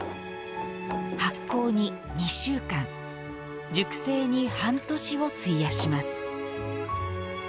発酵に２週間熟成に半年を費やします。